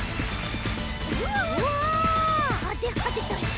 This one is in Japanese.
うわはではでだ！